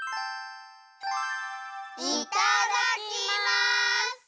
いただきます！